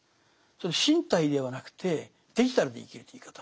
身体ではなくてデジタルで生きるという生き方。